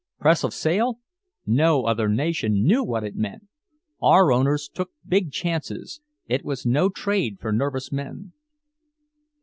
Press of sail? No other nation knew what it meant! Our owners took big chances, it was no trade for nervous men!